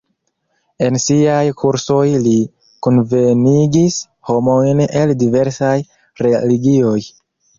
En siaj kursoj li kunvenigis homojn el diversaj religioj.